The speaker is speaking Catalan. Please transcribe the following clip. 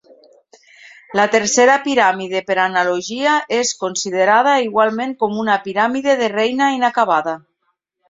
La tercera piràmide per analogia és considerada igualment com una piràmide de reina inacabada.